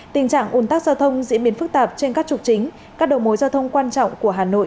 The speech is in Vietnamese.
tình trạng ồn tắc giao thông diễn biến phức tạp trên các trục chính các đầu mối giao thông quan trọng của hà nội